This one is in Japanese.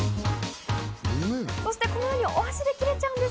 そしてこのようにお箸で切れちゃうんです！